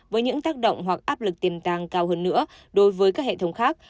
với những tác động hoặc áp lực tiềm tàng cao hơn nữa đối với các hệ thống khác